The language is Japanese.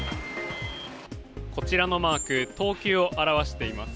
こちらのマーク、等級を表しています。